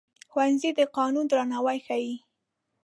ښوونځی د قانون درناوی ښيي